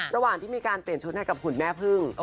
ระหว่างที่มีการเปลี่ยนชุดให้กับคุณแม่พึ่ง